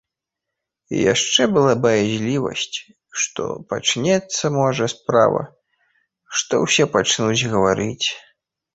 І яшчэ была баязлівасць, што пачнецца, можа, справа, што ўсе пачнуць гаварыць.